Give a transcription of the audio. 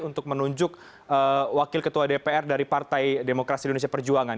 untuk menunjuk wakil ketua dpr dari partai demokrasi indonesia perjuangan